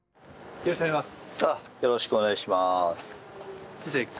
よろしくお願いします。